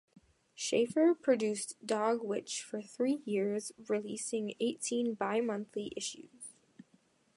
Schaffer produced Dogwitch for three years, releasing eighteen bi-monthly issues.